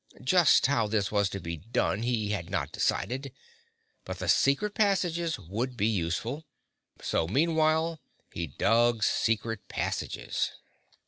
Just how this was to be done, he had not decided, but the secret passages would be useful. So meanwhile he dug secret passages.